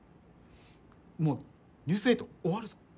もう「ニュース８」終わるぞ？